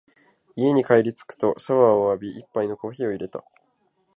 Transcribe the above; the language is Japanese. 家に帰りつくとシャワーを浴び、一杯のコーヒーを淹れた。